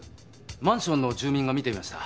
マンションの住民が見ていました。